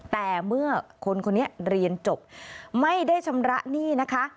แต่เมื่อคนคนนี้เรียนจบไม่ได้ชำระหนี้นะคะ